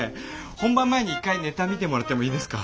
本番前に一回ネタ見てもらってもいいですか？